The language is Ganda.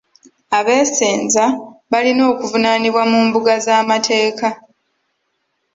Abeesenza balina okuvunaanibwa mu mbuga z'amateeka.